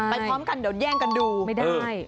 พร้อมกันเดี๋ยวแย่งกันดูไม่ได้